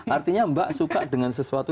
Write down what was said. artinya mbak suka dengan sesuatu